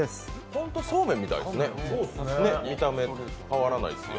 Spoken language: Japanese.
本当にそうめんみたいですね、見た目、変わらないですよ。